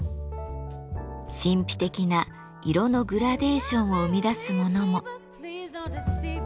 神秘的な色のグラデーションを生み出すものも。